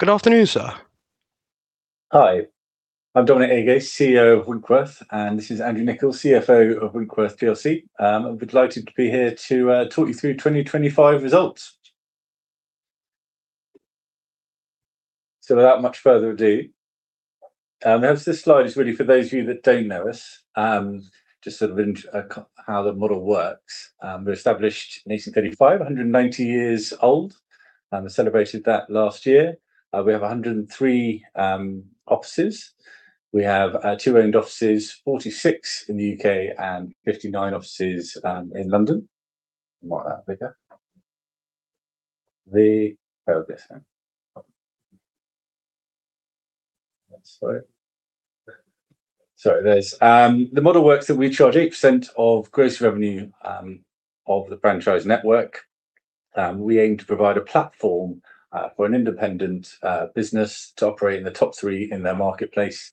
Good afternoon, sir. Hi, I'm Dominic Agace, CEO of Winkworth, and this is Andrew Nicol, CFO of Winkworth PLC. I'm delighted to be here to talk you through 2025 results. Without much further ado, this slide is really for those of you that don't know us, just sort of how the model works. We were established in 1835, 190 years old, and we celebrated that last year. We have 103 offices. We have two owned offices, 46 in the U.K. and 59 offices in London. Make that bigger. There we go. That's better. Sorry, there it is. The model works that we charge 8% of gross revenue of the franchise network. We aim to provide a platform for an independent business to operate in the top three in their marketplace.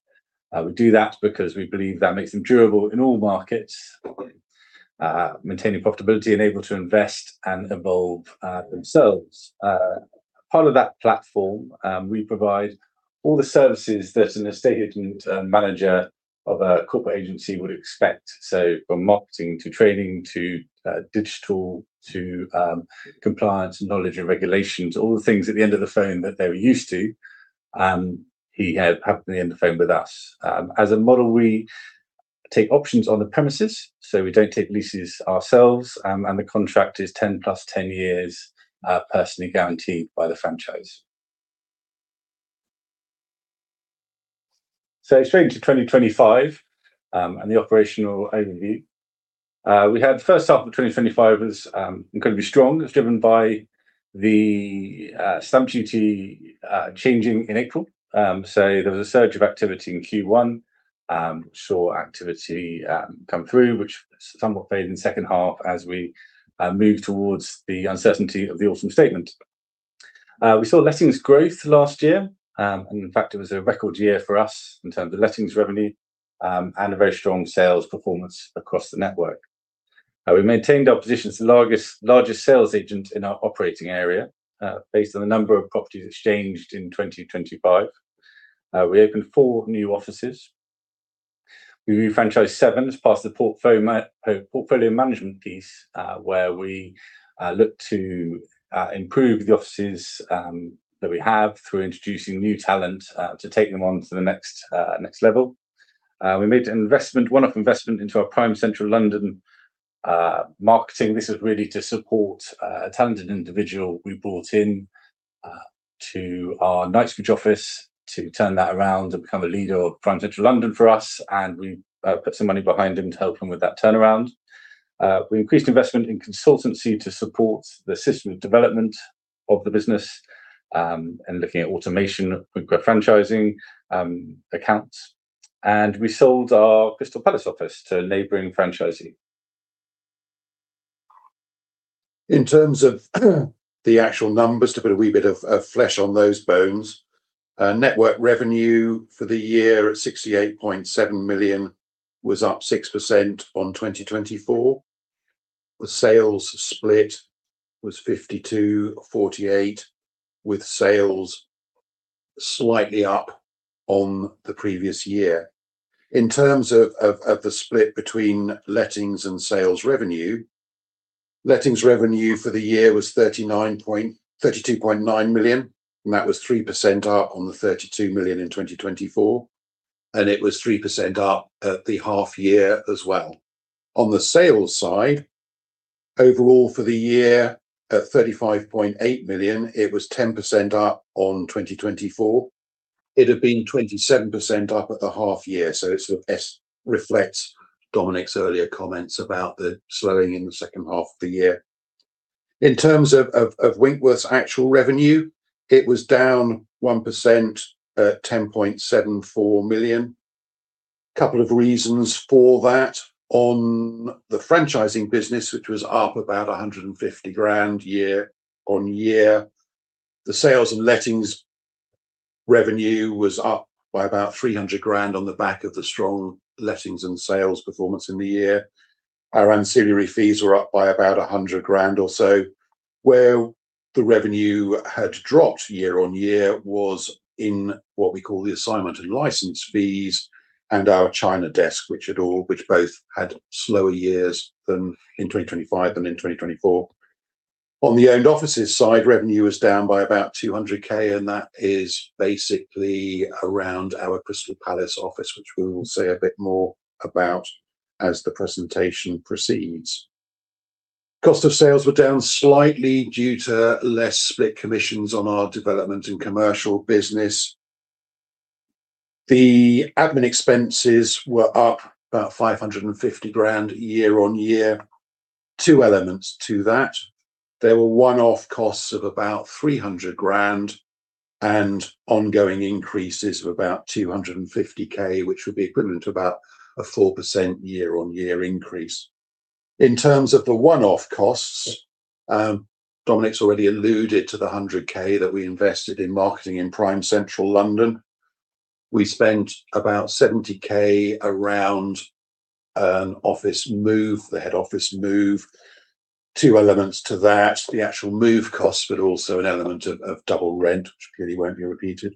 We do that because we believe that makes them durable in all markets, maintaining profitability and able to invest and evolve themselves. Part of that platform, we provide all the services that an estate agent and manager of a corporate agency would expect. From marketing to training, to digital, to compliance and knowledge and regulations, all the things at the end of the phone that they're used to, happily at the end of the phone with us. As a model, we take options on the premises, so we don't take leases ourselves, and the contract is 10 + 10 years, personally guaranteed by the franchise. Straight into 2025 and the operational overview. The first half of 2025 was incredibly strong. It was driven by the stamp duty changing in April. There was a surge of activity in Q1, which saw activity come through, which somewhat faded in the second half as we moved towards the uncertainty of the Autumn Statement. We saw lettings growth last year, and in fact, it was a record year for us in terms of lettings revenue, and a very strong sales performance across the network. We maintained our position as the largest sales agent in our operating area based on the number of properties exchanged in 2025. We opened four new offices. We re-franchised seven as part of the portfolio management piece, where we looked to improve the offices that we have through introducing new talent to take them on to the next level. We made a one-off investment into our Prime Central London marketing. This is really to support a talented individual we brought in to our Knightsbridge office to turn that around and become a leader of Prime Central London for us, and we put some money behind him to help him with that turnaround. We increased investment in consultancy to support the system development of the business, and looking at automation of Winkworth franchising accounts. We sold our Crystal Palace office to a neighboring franchisee. In terms of the actual numbers, to put a wee bit of flesh on those bones. Network revenue for the year at 68.7 million was up 6% on 2024. The sales split was 52/48, with sales slightly up on the previous year. In terms of the split between lettings and sales revenue, lettings revenue for the year was 32.9 million, and that was 3% up on the 32 million in 2024, and it was 3% up at the half year as well. On the sales side, overall for the year at 35.8 million, it was 10% up on 2024. It had been 27% up at the half year, so it sort of less reflects Dominic's earlier comments about the slowing in the second half of the year. In terms of Winkworth's actual revenue, it was down 1% at 10.74 million. Couple of reasons for that. On the Franchising business, which was up about 150,000 year-on-year, the sales and lettings revenue was up by about 300,000 on the back of the strong lettings and sales performance in the year. Our ancillary fees were up by about 100,000 or so. Where the revenue had dropped year-on-year was in what we call the Assignment and License fees and our China desk, which both had slower years than in 2025 than in 2024. On the Owned Offices side, revenue was down by about 200,000, and that is basically around our Crystal Palace office, which we will say a bit more about as the presentation proceeds. Cost of sales were down slightly due to less split commissions on our Development & Commercial business. The Admin expenses were up about 550,000 year-on-year. Two elements to that. There were one-off costs of about 300,000 and ongoing increases of about 250,000, which would be equivalent to about a 4% year-on-year increase. In terms of the one-off costs, Dominic's already alluded to the 100,000 that we invested in marketing in Prime Central London. We spent about 70,000 around an office move, the Head Office move. Two elements to that, the actual move costs, but also an element of double rent, which clearly won't be repeated.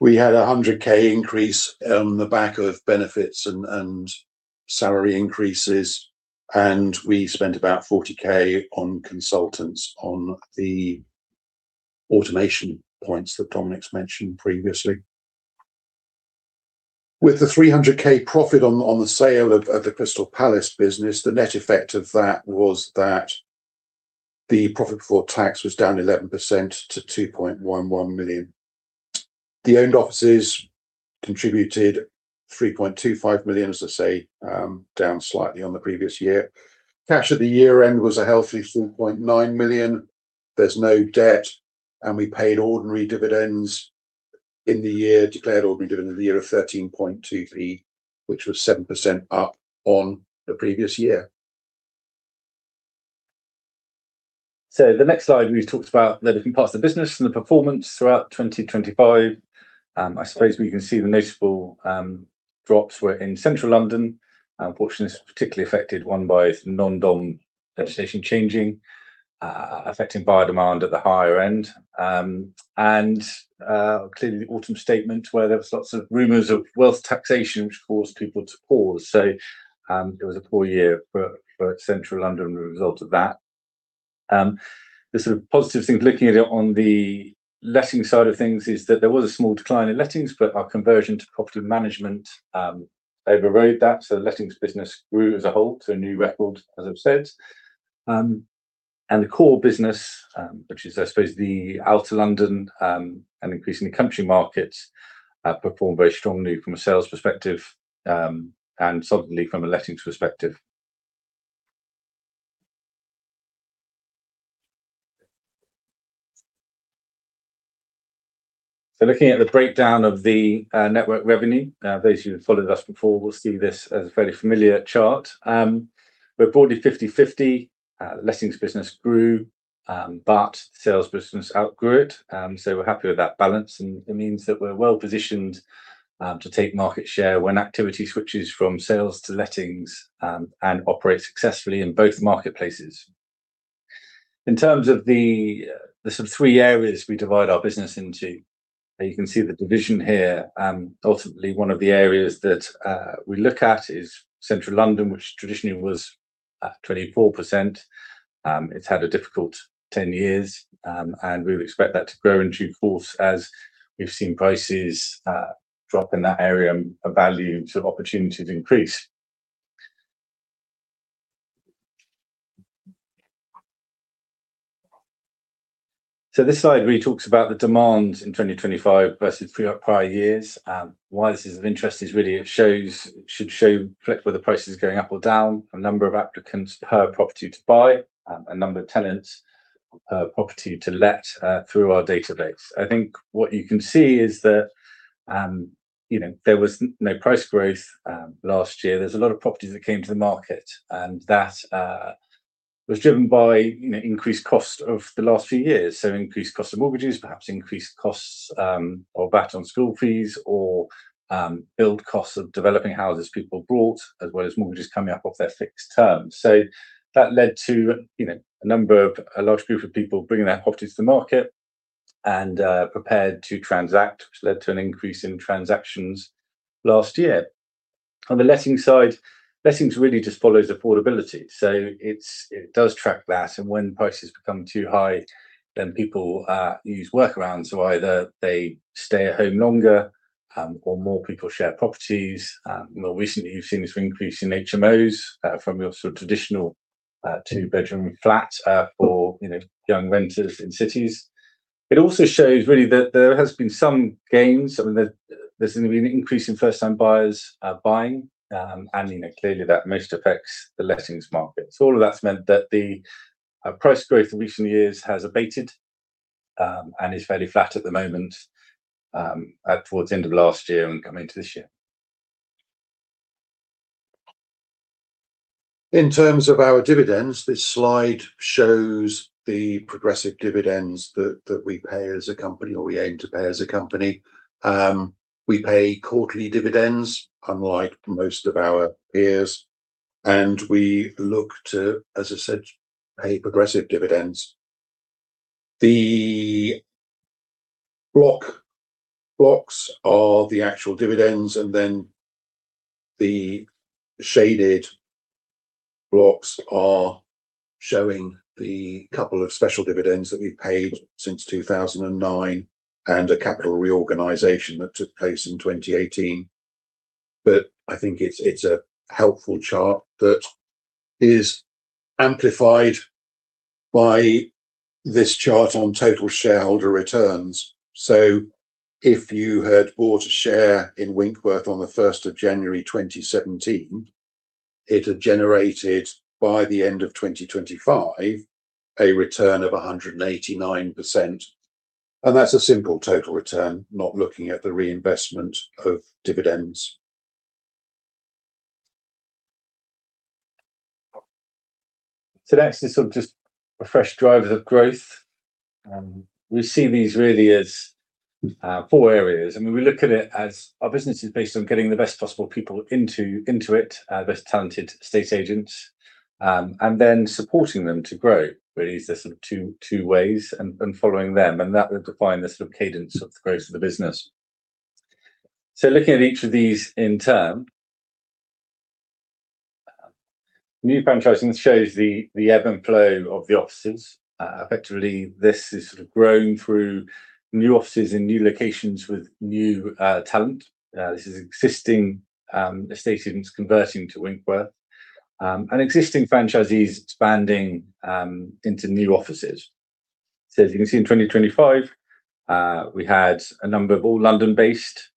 We had 100,000 increase on the back of benefits and salary increases, and we spent about 40,000 on consultants on the automation points that Dominic's mentioned previously. With the 300,000 profit on the sale of the Crystal Palace business, the net effect of that was that the profit before tax was down 11% to 2.11 million. The Owned Offices contributed 3.25 million, as I say, down slightly on the previous year. Cash at the year-end was a healthy 4.9 million. There's no debt, and we paid ordinary dividends in the year, declared ordinary dividend of the year of 13.23, which was 7% up on the previous year. The next slide, we've talked about the different parts of the business and the performance throughout 2025. I suppose we can see the notable drops were in Central London. Unfortunately, this was particularly affected, one, by non-dom legislation changing, affecting buyer demand at the higher end. Clearly, the Autumn Statement where there was lots of rumors of wealth taxation, which caused people to pause. It was a poor year for Central London as a result of that. The sort of positive things, looking at it on the letting side of things is that there was a small decline in lettings, but our conversion to property management overrode that. Lettings business grew as a whole to a new record, as I've said. The core business, which is, I suppose, the Outer London, and increasingly country markets, performed very strongly from a sales perspective, and solidly from a lettings perspective. Looking at the breakdown of the network revenue, those who have followed us before will see this as a fairly familiar chart. We're broadly 50/50. The lettings business grew, but the sales business outgrew it. We're happy with that balance, and it means that we're well-positioned to take market share when activity switches from sales to lettings, and operate successfully in both marketplaces. In terms of the sort of three areas we divide our business into, you can see the division here. Ultimately, one of the areas that we look at is Central London, which traditionally was at 24%. It's had a difficult 10 years. We would expect that to grow in due course as we've seen prices drop in that area and value, so opportunities increase. This slide really talks about the demand in 2025 versus prior years. Why this is of interest is really it should show fairly whether price is going up or down, from number of applicants per property to buy, and number of tenants per property to let through our database. I think what you can see is that there was no price growth last year. There's a lot of properties that came to the market, and that was driven by increased cost of the last few years, increased cost of mortgages, perhaps increased costs, or VAT on school fees or build costs of developing houses people bought, as well as mortgages coming up off their fixed terms. That led to a large group of people bringing their properties to the market and prepared to transact, which led to an increase in transactions last year. On the letting side, lettings really just follows affordability. It does track that, and when prices become too high, then people use workarounds. Either they stay at home longer, or more people share properties. More recently, we've seen this increase in HMOs, from your sort of traditional two-bedroom flat for young renters in cities. It also shows really that there has been some gains. There's been an increase in first-time buyers buying. Clearly that most affects the lettings market. All of that's meant that the price growth in recent years has abated, and is fairly flat at the moment, towards the end of last year and coming into this year. In terms of our dividends, this slide shows the progressive dividends that we pay as a company or we aim to pay as a company. We pay quarterly dividends, unlike most of our peers, and we look to, as I said, pay progressive dividends. The blocks are the actual dividends, and then the shaded blocks are showing the couple of special dividends that we've paid since 2009 and a capital reorganization that took place in 2018. I think it's a helpful chart that is amplified by this chart on total shareholder returns. If you had bought a share in Winkworth on the January 1st, 2017, it had generated by the end of 2025, a return of 189%, and that's a simple total return, not looking at the reinvestment of dividends. Next is just a refresh drivers of growth. We see these really as four areas, and we look at it as our business is based on getting the best possible people into it, best talented estate agents, and then supporting them to grow, really as sort of two ways and following them. That will define the sort of cadence of the growth of the business. Looking at each of these in turn. New franchising shows the ebb and flow of the offices. Effectively, this is grown through new offices in new locations with new talent. This is existing estate agents converting to Winkworth, and existing franchisees expanding into new offices. As you can see, in 2025, we had a number of all London-based.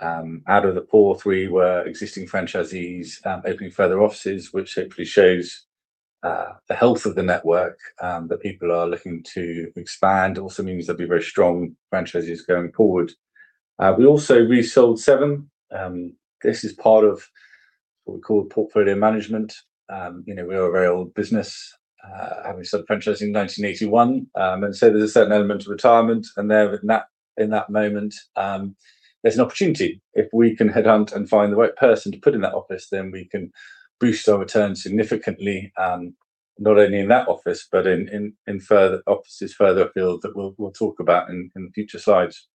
Out of the four, three were existing franchisees opening further offices, which hopefully shows the health of the network, that people are looking to expand. It also means they'll be very strong franchisees going forward. We also resold seven. This is part of what we call portfolio management. We are a very old business, having started franchising in 1981. There's a certain element of retirement, and there in that moment, there's an opportunity if we can headhunt and find the right person to put in that office, then we can boost our return significantly, not only in that office, but in offices further afield that we'll talk about in future slides.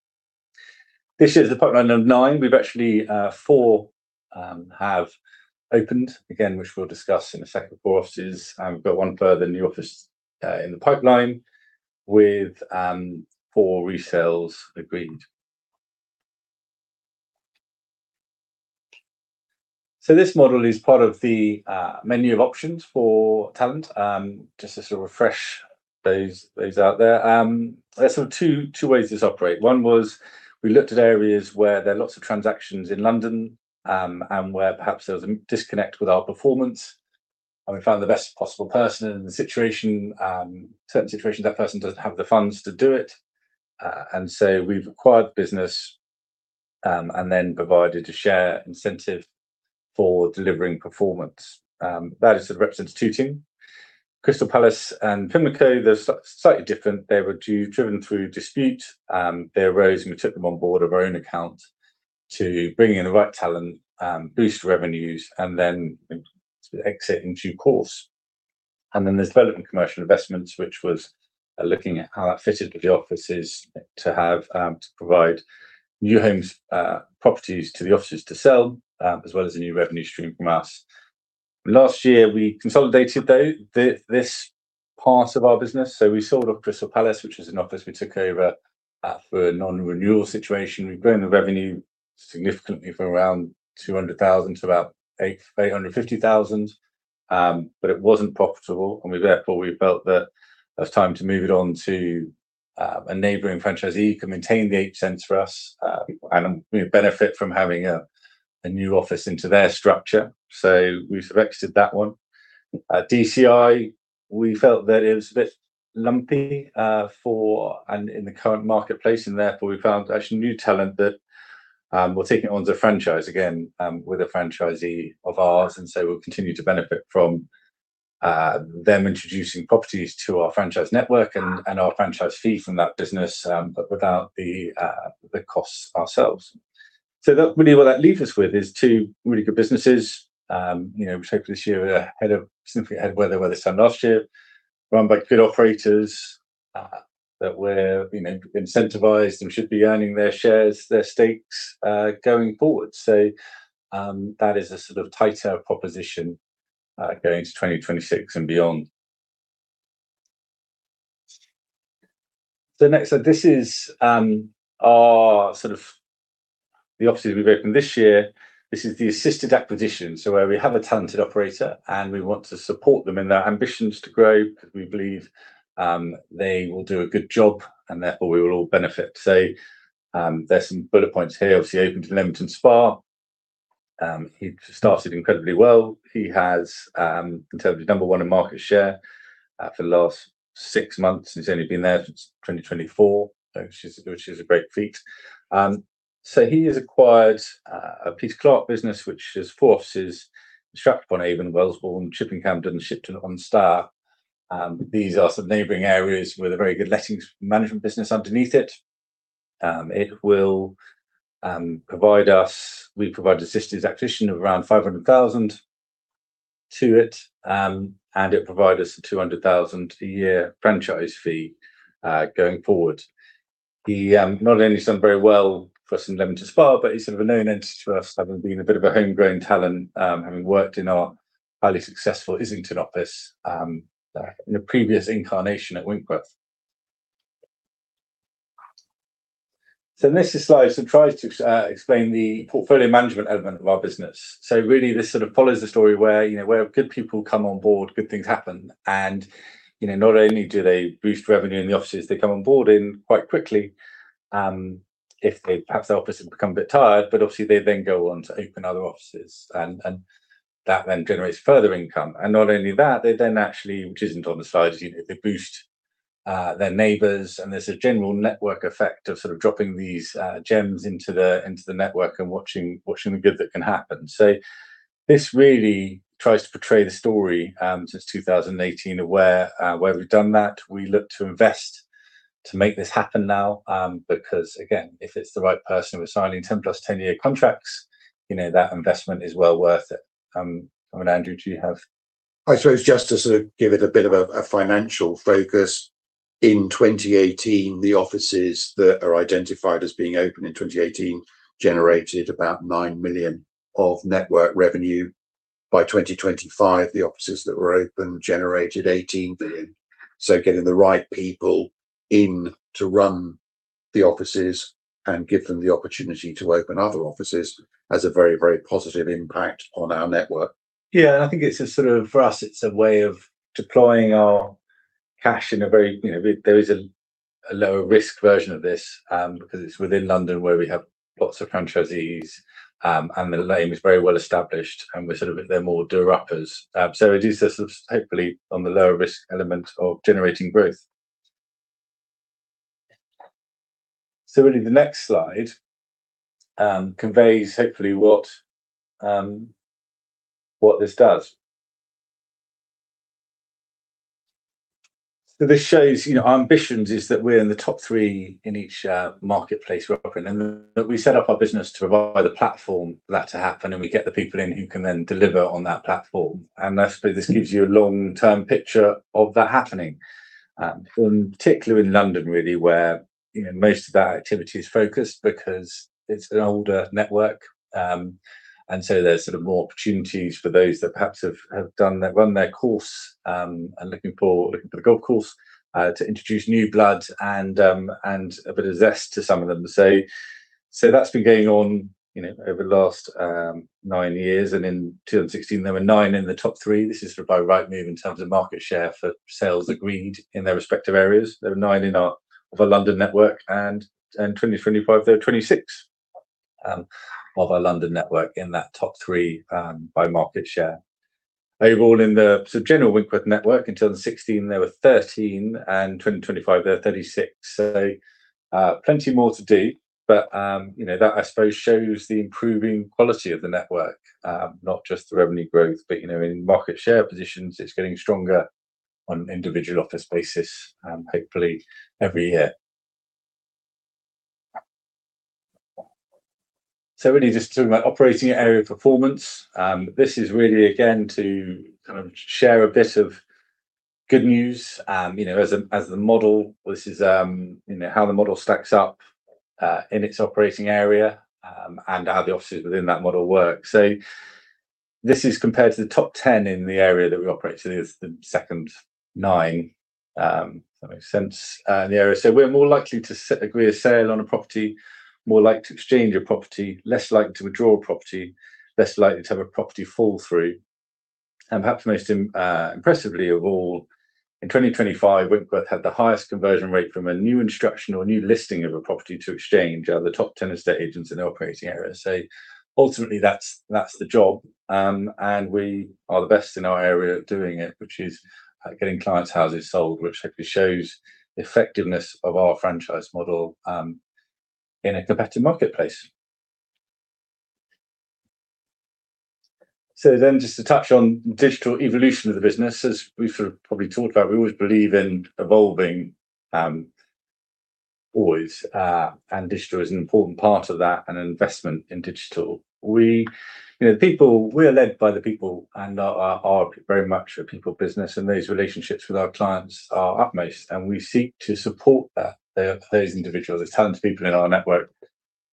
This is the pipeline of nine. Actually, four have opened again, which we'll discuss in a second, four offices. We've got one further new office in the pipeline with four resales agreed. This model is part of the menu of options for talent. Just to sort of refresh those out there's sort of two ways this operate. One was we looked at areas where there are lots of transactions in London and where perhaps there was a disconnect with our performance, and we found the best possible person in the situation. Certain situations that person doesn't have the funds to do it, and so we've acquired the business and then provided a share incentive for delivering performance. That represents two team, Crystal Palace and Pimlico. They're slightly different. They were driven through dispute. They arose, and we took them on board of our own account to bring in the right talent, boost revenues, and then exit in due course. There's Development & Commercial Investment, which was looking at how that fitted with the offices to have to provide new homes, properties to the offices to sell, as well as a new revenue stream from us. Last year, we consolidated, though, this part of our business. We sold off Crystal Palace, which is an office we took over for a non-renewal situation. We've grown the revenue significantly from around 200,000 to about 850,000. It wasn't profitable, and we therefore felt that it was time to move it on to a neighboring franchisee who can maintain the presence for us, and we benefit from having a new office into their structure. We've exited that one. DCI, we felt that it was a bit lumpy in the current marketplace, and therefore we found actually new talent that we're taking it on as a franchise again, with a franchisee of ours. We'll continue to benefit from them introducing properties to our franchise network and our franchise fee from that business without the costs ourselves. Really what that leaves us with is two really good businesses, which hopefully this year are significantly ahead where they stand last year, run by good operators, that were incentivized and should be earning their shares, their stakes, going forward. That is a sort of tighter proposition going into 2026 and beyond. Next slide. This is the offices we've opened this year. This is the assisted acquisition. Where we have a talented operator, and we want to support them in their ambitions to grow because we believe they will do a good job and therefore we will all benefit. There's some bullet points here. He obviously opened in Leamington Spa. He started incredibly well. In terms of number one in market share for the last six months, he's only been there since 2024, which is a great feat. He has acquired a Peter Clarke business, which has four offices, Stratford-upon-Avon, Wellesbourne, Chipping Campden, Shipston-on-Stour. These are some neighboring areas with a very good lettings management business underneath it. We provide assisted acquisition of around 500,000 to it, and it provided us a 200,000 a year franchise fee going forward. He not only has done very well for us in Leamington Spa, but he's sort of a known entity to us, having been a bit of a homegrown talent, having worked in our highly successful Islington office, in a previous incarnation at Winkworth. This slide tries to explain the portfolio management element of our business. Really this sort of follows the story where good people come on board, good things happen, and not only do they boost revenue in the offices, they come on board in quite quickly if perhaps the office has become a bit tired. Obviously they then go on to open other offices, and that then generates further income. Not only that, they then actually, which isn't on the slide, boost their neighbors, and there's a general network effect of sort of dropping these gems into the network and watching the good that can happen. This really tries to portray the story since 2018 of where we've done that. We look to invest to make this happen now, because again, if it's the right person, we're signing 10 + 10-year contracts, that investment is well worth it. I mean, Andrew, do you have? I suppose just to sort of give it a bit of a financial focus. In 2018, the offices that are identified as being open in 2018 generated about 9 million of network revenue. By 2025, the offices that were open generated 18 million. Getting the right people in to run the offices and give them the opportunity to open other offices has a very positive impact on our network. Yeah, I think for us, it's a way of deploying our cash. There is a lower-risk version of this because it's within London where we have lots of franchisees, and the name is very well established, and they're more doer-uppers. It is hopefully on the lower-risk element of generating growth. [Turning to] the next slide conveys hopefully what this does. This shows our ambitions is that we're in the top three in each marketplace we operate in, and that we set up our business to provide a platform for that to happen, and we get the people in who can then deliver on that platform. Hopefully, this gives you a long-term picture of that happening. Particularly in London really, where most of our activity is focused because it's an older network. There's sort of more opportunities for those that perhaps have run their course, and looking for the golf course, to introduce new blood and a bit of zest to some of them. That's been going on over the last nine years. In 2016, there were nine in the top three. This is sort of by Rightmove in terms of market share for sales agreed in their respective areas. There are nine in our London network and in 2025, there are 26 of our London network in that top three by market share. Overall, in the general Winkworth network in 2016, there were 13, and 2025, there are 36. Plenty more to do. That I suppose shows the improving quality of the network, not just the revenue growth, but in market share positions, it's getting stronger on an individual office basis, hopefully every year. [Turning to the] operating area performance. This is really again, to kind of share a bit of good news as the model. This is how the model stacks up, in its operating area, and how the offices within that model work. This is compared to the top 10 in the area that we operate. This is the second nine, if that makes sense, in the area. We're more likely to agree a sale on a property, more likely to exchange a property, less likely to withdraw a property, less likely to have a property fall through. Perhaps most impressively of all, in 2025, Winkworth had the highest conversion rate from a new instruction or new listing of a property to exchange out of the top 10 estate agents in our operating area. Ultimately that's the job, and we are the best in our area at doing it, which is getting clients' houses sold, which hopefully shows the effectiveness of our franchise model in a competitive marketplace. Just to touch on digital evolution of the business, as we've sort of probably talked about, we always believe in evolving, always, and digital is an important part of that and investment in digital. We are led by the people and are very much a people business. Those relationships with our clients are utmost. We seek to support those individuals, those talented people in our network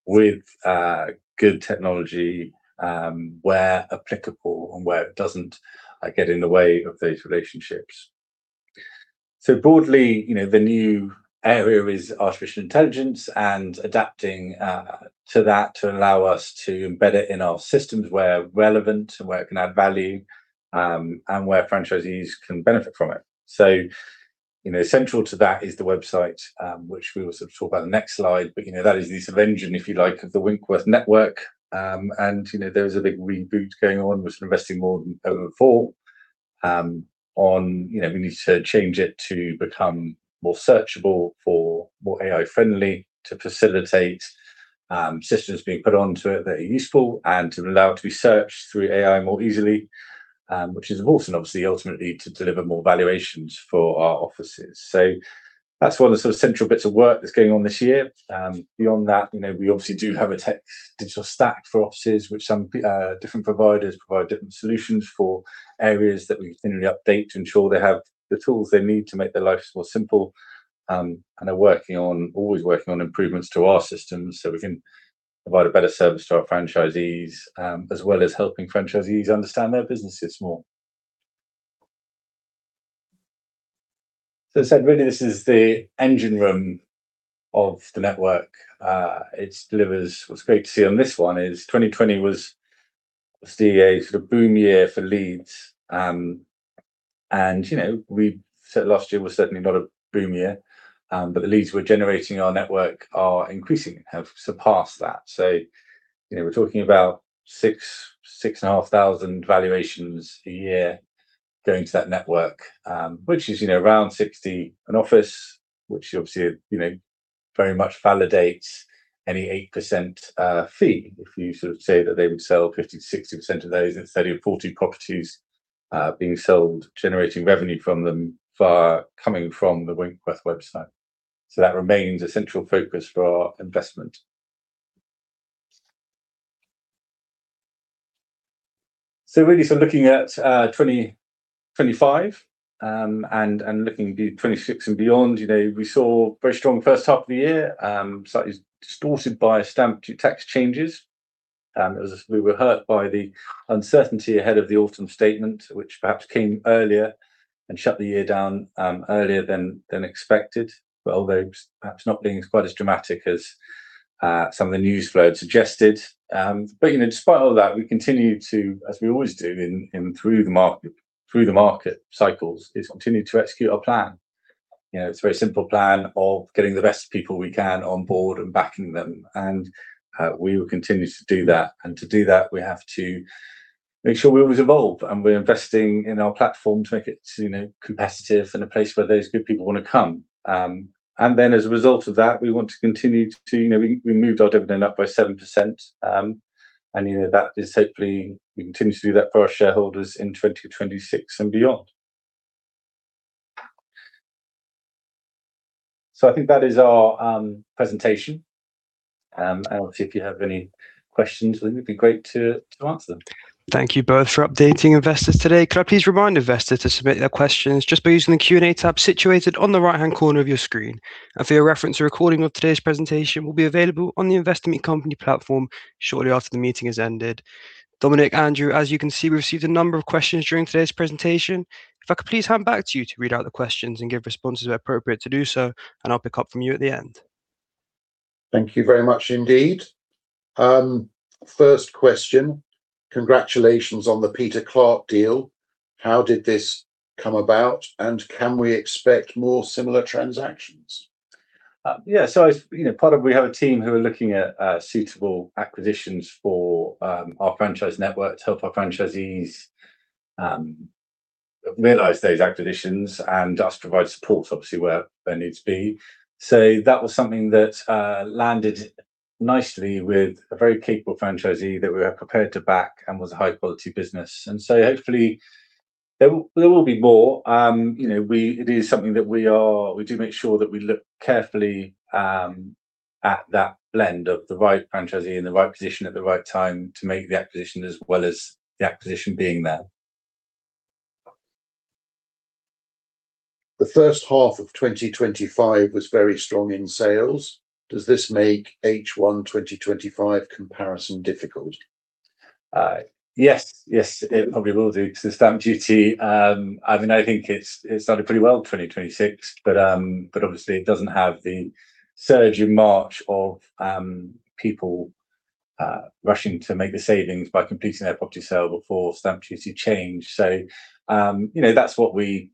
with good technology, where applicable and where it doesn't get in the way of those relationships. Broadly, the new area is artificial intelligence and adapting to that to allow us to embed it in our systems where relevant and where it can add value, and where franchisees can benefit from it. Central to that is the website, which we will sort of talk about in the next slide. That is the sort of engine, if you like, of the Winkworth network. There is a big reboot going on. We're investing more than ever before. We need to change it to become more searchable, for more AI-friendly, to facilitate systems being put onto it that are useful, and to allow it to be searched through AI more easily, which is important, obviously, ultimately to deliver more valuations for our offices. That's one of the sort of central bits of work that's going on this year. Beyond that, we obviously do have a digital stack for offices, which different providers provide different solutions for areas that we continually update to ensure they have the tools they need to make their lives more simple, and are always working on improvements to our systems so we can provide a better service to our franchisees, as well as helping franchisees understand their businesses more. As I said, really this is the engine room of the network. It delivers. What's great to see on this one is 2020 was obviously a sort of boom year for leads. We said last year was certainly not a boom year. The leads we're generating in our network are increasing, have surpassed that. We're talking about 6,500 valuations a year going to that network, which is around 60 an office, which obviously very much validates any 8% fee. If you say that they would sell 50%-60% of those instead of 40 properties being sold, generating revenue from them coming from the Winkworth website. That remains a central focus for our investment. Really, looking at 2025 and looking 2026 and beyond. We saw very strong first half of the year, slightly distorted by stamp duty tax changes. We were hurt by the uncertainty ahead of the Autumn Statement, which perhaps came earlier and shut the year down earlier than expected, although perhaps not being quite as dramatic as some of the news flow had suggested. In spite of all that, we continue to, as we always do through the market cycles, execute our plan. It's a very simple plan of getting the best people we can on board and backing them. We will continue to do that. To do that, we have to make sure we always evolve, and we're investing in our platform to make it competitive and a place where those good people want to come. We moved our dividend up by 7%, and that is hopefully we continue to do that for our shareholders in 2026 and beyond. I think that is our presentation. Obviously if you have any questions, it'd be great to answer them. Thank you both for updating investors today. Could I please remind investors to submit their questions just by using the Q&A tab situated on the right-hand corner of your screen? For your reference, a recording of today's presentation will be available on the Investor Meet Company platform shortly after the meeting has ended. Dominic, Andrew, as you can see, we've received a number of questions during today's presentation. If I could please hand back to you to read out the questions and give responses where appropriate to do so, and I'll pick up from you at the end. Thank you very much indeed. First question, congratulations on the Peter Clarke deal. How did this come about, and can we expect more similar transactions? Yeah. We have a team who are looking at suitable acquisitions for our franchise network to help our franchisees realize those acquisitions and us provide support, obviously, where there needs be. That was something that landed nicely with a very capable franchisee that we were prepared to back and was a high-quality business. Hopefully there will be more. It is something that we do make sure that we look carefully at that blend of the right franchisee in the right position at the right time to make the acquisition as well as the acquisition being there. The first half of 2025 was very strong in sales. Does this make H1 2025 comparison difficult? Yes, it probably will do because the stamp duty. I think it's started pretty well 2026, but obviously it doesn't have the surge in March of people rushing to make the savings by completing their property sale before stamp duty change. That's what we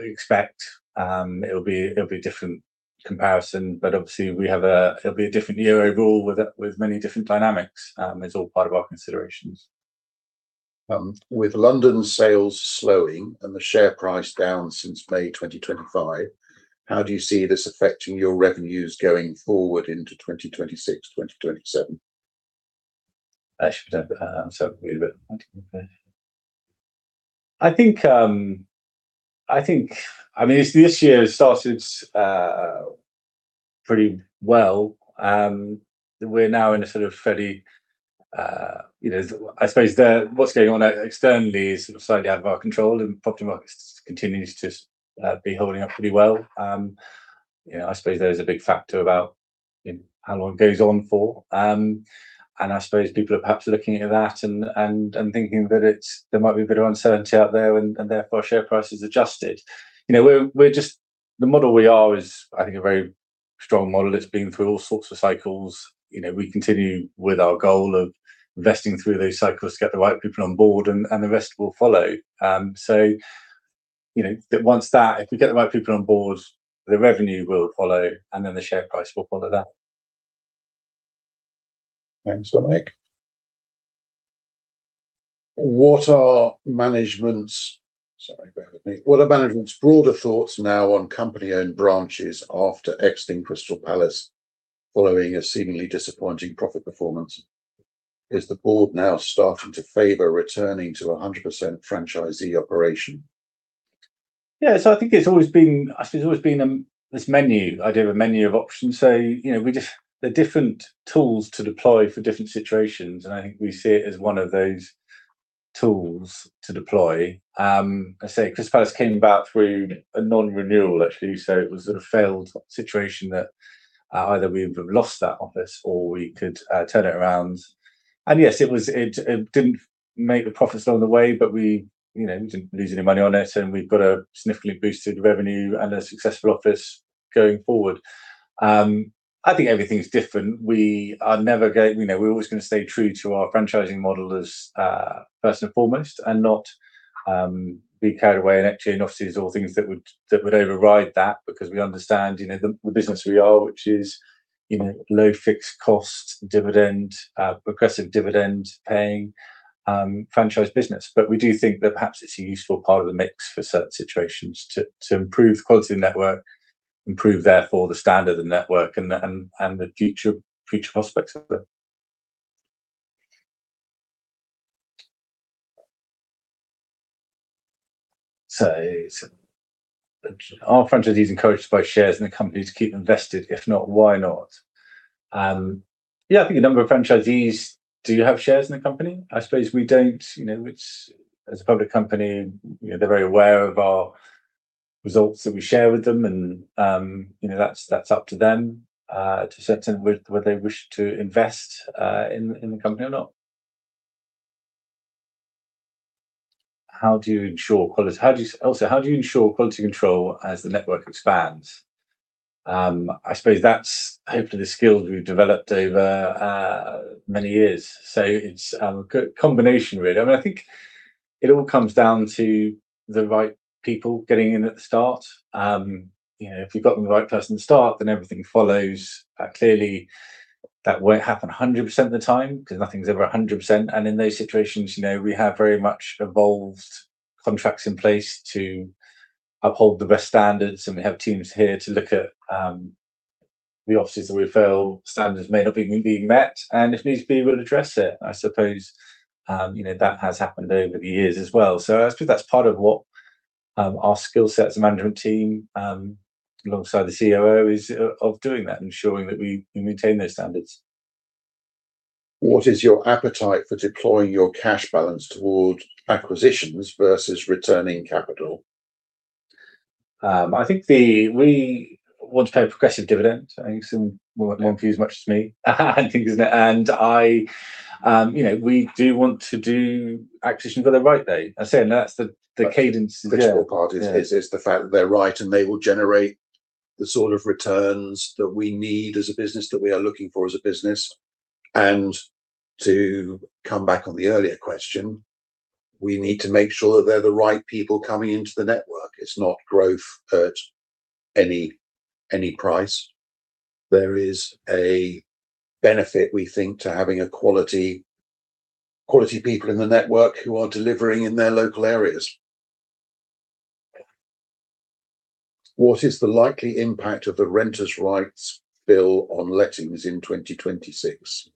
expect. It'll be a different comparison, but obviously it'll be a different year overall with many different dynamics. It's all part of our considerations. With London sales slowing and the share price down since May 2025, how do you see this affecting your revenues going forward into 2026, 2027? Actually, I'm sorry. This year started pretty well. We're now in a sort of fairly, I suppose what's going on externally is sort of slightly out of our control, and property market continues to be holding up pretty well. I suppose there is a big factor about how long it goes on for. I suppose people are perhaps looking at that and thinking that there might be a bit of uncertainty out there and therefore share price is adjusted. The model we are is, I think, a very strong model. It's been through all sorts of cycles. We continue with our goal of investing through those cycles to get the right people on board and the rest will follow. If we get the right people on board, the revenue will follow, and then the share price will follow that. Thanks, Dominic. What are Management's broader thoughts now on company-owned branches after exiting Crystal Palace following a seemingly disappointing profit performance? Is the Board now starting to favor returning to 100% franchisee operation? Yeah. I think it's always been this menu idea of a menu of options. There are different tools to deploy for different situations, and I think we see it as one of those tools to deploy. I say Crystal Palace came about through a non-renewal, actually. It was a failed situation that either we would have lost that office or we could turn it around. Yes, it didn't make the profits along the way, but we didn't lose any money on it, and we've got a significantly boosted revenue and a successful office going forward. I think everything's different. We're always going to stay true to our franchising model as first and foremost and not be carried away in opening offices or things that would override that because we understand the business we are, which is, you know, low fixed costs, dividend, progressive dividend-paying franchise business. We do think that perhaps it's a useful part of the mix for certain situations to improve quality network, improve therefore the standard of the network and the future prospects of it. Are franchisees encouraged to buy shares in the company to keep invested? If not, why not? Yeah, I think a number of franchisees do have shares in the company. I suppose we don't, which as a public company, they're very aware of our results that we share with them and that's up to them to ascertain whether they wish to invest in the company or not. Also, how do you ensure quality control as the network expands? I suppose that's hopefully the skill we've developed over many years. It's a good combination really. I think it all comes down to the right people getting in at the start. If you've got the right person to start, then everything follows. Clearly, that won't happen 100% of the time because nothing's ever 100%. In those situations, we have very much evolved contracts in place to uphold the best standards, and we have teams here to look at the offices that we feel standards may not be being met, and if needs be, we'll address it. I suppose that has happened over the years as well. I suppose that's part of what our skill set as a Management Team, alongside the COO is of doing that, ensuring that we maintain those standards. What is your appetite for deploying your cash balance toward acquisitions versus returning capital? I think we want to pay progressive dividend. I think some are confused, much as me, I think. We do want to do acquisitions. I say that's the cadence. The critical part is the fact that they're right and they will generate the sort of returns that we are looking for as a business. To come back on the earlier question, we need to make sure that they're the right people coming into the network. It's not growth at any price. There is a benefit, we think, to having quality people in the network who are delivering in their local areas. What is the likely impact of the Renters' Rights Bill on lettings in 2026?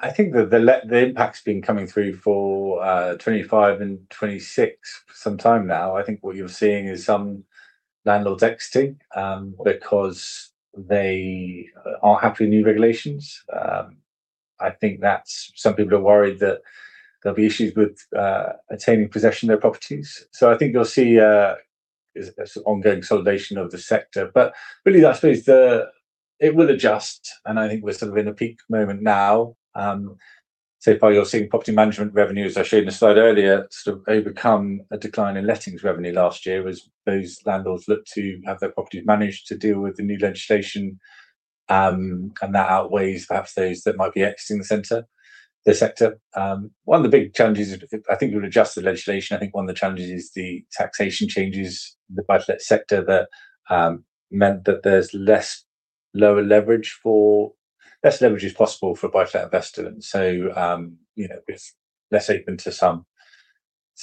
I think that the impact's been coming through for 2025 and 2026 for some time now. I think what you're seeing is some landlords exiting because they aren't happy with new regulations. I think that some people are worried that there'll be issues with attaining possession of their properties. I think you'll see an ongoing consolidation of the sector. Really, I suppose it will adjust and I think we're sort of in a peak moment now. So far, you're seeing property management revenue, as I showed in the slide earlier, sort of overcome a decline in lettings revenue last year as those landlords look to have their properties managed to deal with the new legislation. That outweighs perhaps those that might be exiting the sector. I think you'll address the legislation. I think one of the challenges is the taxation changes in the buy-to-let sector that meant that there's less leverage is possible for a buy-to-let investor. It's less open to some.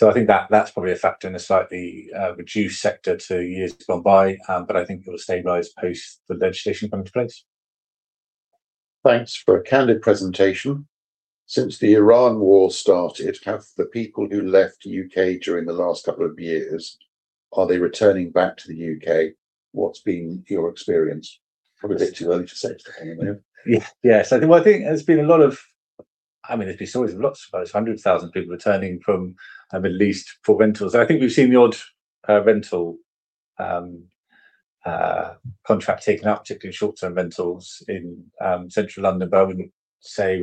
I think that's probably a factor in a slightly reduced sector to years gone by. I think it'll stabilize post the legislation coming into place. Thanks for a candid presentation. Since the Israel war started, the people who left U.K. during the last couple of years, are they returning back to the U.K.? What's been your experience? Probably a bit too early to say anyway. Yeah. I think there's been stories of, suppose 100,000 people returning from the Middle East for rentals. I think we've seen the odd rental contract taken up, particularly in short-term rentals in Central London. I wouldn't say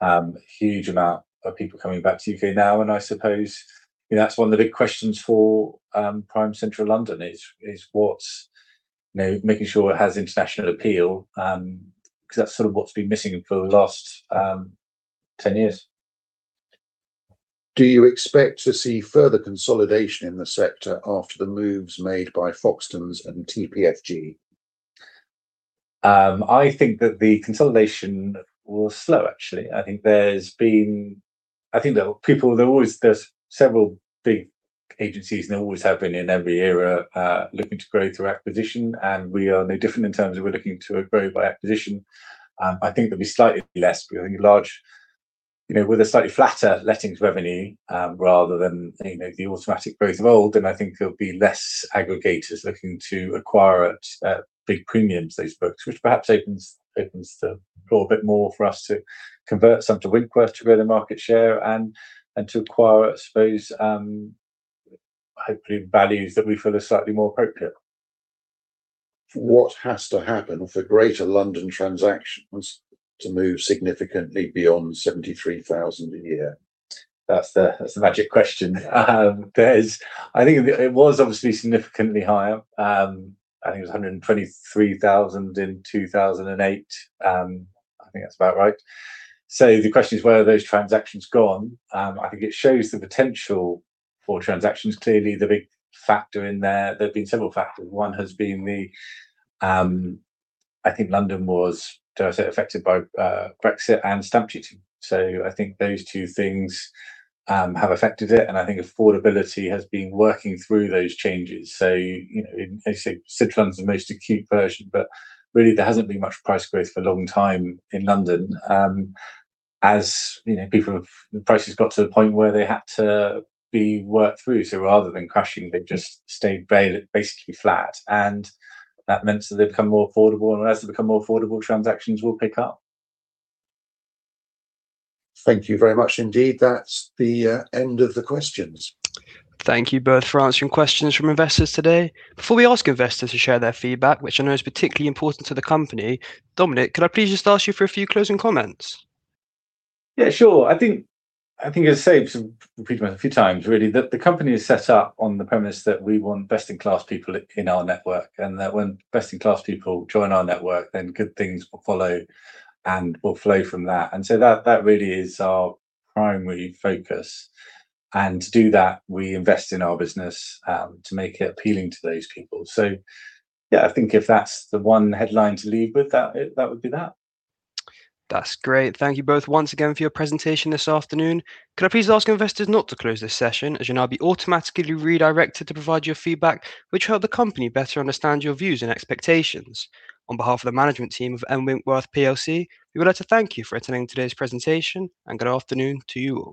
we're seeing a huge amount of people coming back to U.K. now, and I suppose that's one of the big questions for prime Central London is what's making sure it has international appeal, because that's sort of what's been missing for the last 10 years. Do you expect to see further consolidation in the sector after the moves made by Foxtons and TPFG? I think that the consolidation will slow, actually. I think there's several big agencies and there always have been in every era, looking to grow through acquisition, and we are no different in terms of we're looking to grow by acquisition. I think there'll be slightly less, but I think largely with a slightly flatter lettings revenue, rather than the automatic growth of old, and I think there'll be less aggregators looking to acquire at big premiums those books, which perhaps opens the door a bit more for us to convert some to Winkworth to grow the market share and to acquire, I suppose, hopefully values that we feel are slightly more appropriate. What has to happen for Greater London transactions to move significantly beyond 73,000 a year? That's the magic question. I think it was obviously significantly higher. I think it was 123,000 in 2008. I think that's about right. The question is where are those transactions gone? I think it shows the potential for transactions. Clearly, there have been several factors. I think London was, dare I say, affected by Brexit and stamp duty. I think those two things have affected it, and I think affordability has been working through those changes. They say Central's the most acute version, but really there hasn't been much price growth for a long time in London. As the prices got to the point where they had to be worked through, so rather than crashing, they just stayed basically flat, and that meant that they've become more affordable. As they become more affordable, transactions will pick up. Thank you very much indeed. That's the end of the questions. Thank you both for answering questions from investors today. Before we ask investors to share their feedback, which I know is particularly important to the company, Dominic, could I please just ask you for a few closing comments? Yeah, sure. I think I repeated a few times really that the company is set up on the premise that we want best-in-class people in our network, and that when best-in-class people join our network, then good things will follow and will flow from that. That really is our primary focus. To do that, we invest in our business to make it appealing to those people. Yeah, I think if that's the one headline to lead with that would be that. That's great. Thank you both once again for your presentation this afternoon. Could I please ask investors not to close this session, as you'll now be automatically redirected to provide your feedback, which helps the company better understand your views and expectations. On behalf of the Management Team of Winkworth PLC, we would like to thank you for attending today's presentation, and good afternoon to you all.